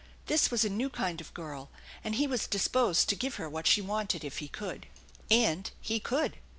This was a new kind of girl, and he was disposed to give her what she wanted if he could. And he could.